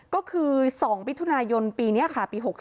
ก็คือ๒มิถุนายนปีนี้ค่ะปี๖๓